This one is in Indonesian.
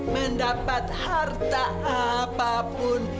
mendapat harta apapun